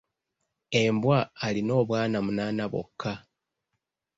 Embwa alina obwana omunaana bwokka.